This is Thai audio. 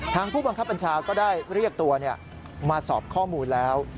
ผู้บังคับบัญชาก็ได้เรียกตัวมาสอบข้อมูลแล้ว